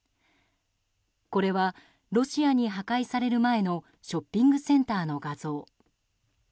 これは、ロシアに破壊される前のショッピングセンターの画像。